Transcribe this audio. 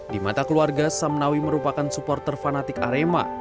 di mata keluarga samnawi merupakan supporter fanatik arema